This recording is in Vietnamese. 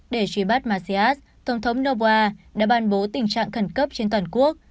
để truy bắt macias tổng thống novoa đã bàn bố tình trạng khẩn cấp trên toàn quốc